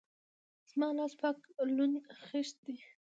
زما لاس پاک لوند خيشت ده.